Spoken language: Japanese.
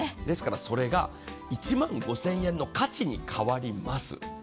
ですからそれが１万５０００円の価値に変わります。